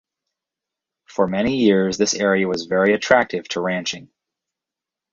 For many years this area was very attractive to ranching.